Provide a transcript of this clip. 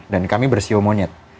dan kami bersiul monyet